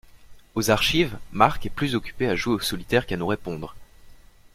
Aux archives, Marc est plus occupé à jouer au solitaire qu'à nous répondre.